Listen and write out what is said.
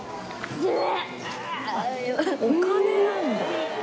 お金なんだ。